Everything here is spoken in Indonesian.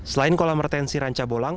selain kolam retensi ranca bolang